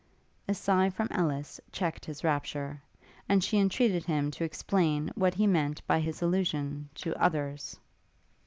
A sigh from Ellis checked his rapture; and she entreated him to explain what he meant by his allusion to 'others.'